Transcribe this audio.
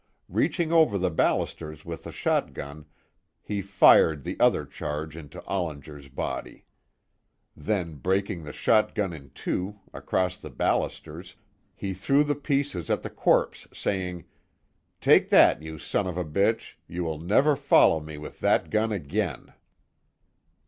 Reaching over the ballisters with the shotgun, he fired the other charge into Ollinger's body. Then breaking the shotgun in two, across the ballisters, he threw the pieces at the corpse, saying: "Take that, you s of a b , you will never follow me with that gun again."